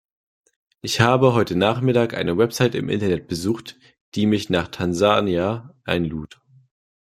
Ich habe heute Nachmittag eine Website im Internet besucht, die mich nach Tansania einlud.